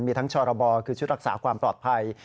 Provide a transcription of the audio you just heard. มีทั้งชรบคือชุดรักษาความปลอดภัย